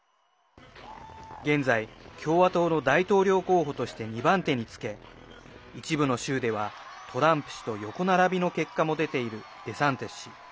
現在、共和党の大統領候補として２番手につけ一部の州では、トランプ氏と横並びの結果も出ているデサンティス氏。